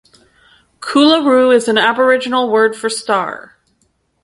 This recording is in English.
Coolaroo is an Aboriginal word for 'star'.